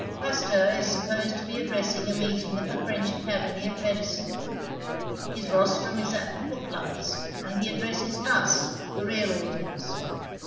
Pasteur is supposed to be addressing a meeting of the French Academy of Medicine. His rostrum is at the footlights, and he addresses us, the real audience.